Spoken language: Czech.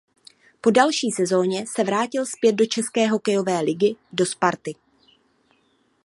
Po další sezoně se vrátil zpět do České hokejové ligy do Sparty.